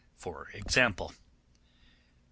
For example: 1.